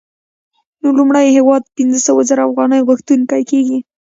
نو لومړی هېواد پنځه سوه زره افغانۍ غوښتونکی کېږي